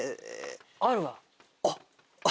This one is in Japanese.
あるわ。